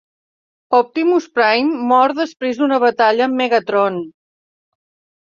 Optimus Prime mor després d'una batalla amb Megatron.